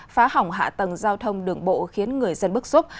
phá hỏng hạ tầng giao thông đường bộ khiến người dân bức xúc